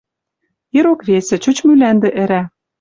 Ирок — весӹ. Чуч мӱлӓндӹ ӹрӓ